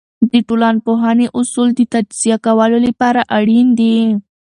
د ټولنپوهنې اصول د تجزیه کولو لپاره اړین دي.